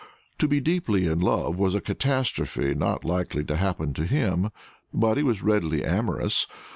To be deeply in love was a catastrophe not likely to happen to him; but he was readily amorous.